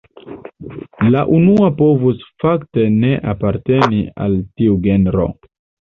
La unua povus fakte ne aparteni al tiu genro.